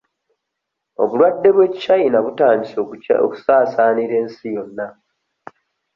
Obulwadde bw'e China butandise okusaasaanira ensi yonna.